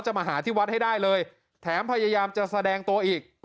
มาหาที่วัดให้ได้เลยแถมพยายามจะแสดงตัวอีก